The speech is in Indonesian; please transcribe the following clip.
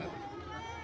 yang akan diperhatikan